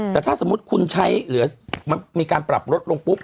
แต่ถ้าสมมุติคุณใช้มีการปรับลดลงปุ๊บ